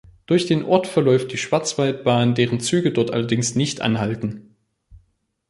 Durch den Ort verläuft die Schwarzwaldbahn, deren Züge dort allerdings nicht anhalten.